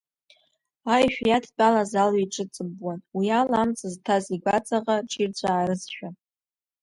Аишәа иадтәалаз алҩа иҿыҵыббуан, уи ала амца зҭаз игәаҵаҟа ҿирцәаарызшәа.